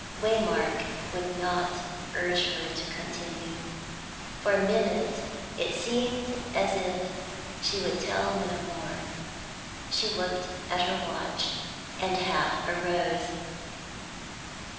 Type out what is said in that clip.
Waymark would not urge her to continue. For a minute it seemed as if she would tell no more; she looked at her watch, and half arose.